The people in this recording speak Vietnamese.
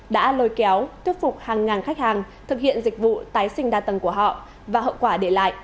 đã lôi kéo thuyết phục hàng ngàn khách hàng thực hiện dịch vụ tái sinh đa tầng của họ và hậu quả để lại